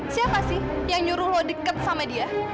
siapa sih yang nyuruh lo deket sama dia